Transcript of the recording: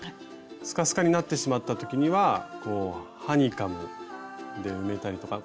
スカスカになってしまった時にはこうハニカムで埋めたりとか。